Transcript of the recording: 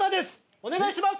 お願いします！